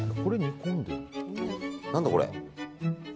何だこれ？